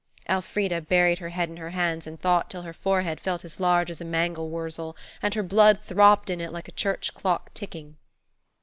Elfrida buried her head in her hands and thought till her forehead felt as large as a mangel wurzel, and her blood throbbed in it like a church clock ticking.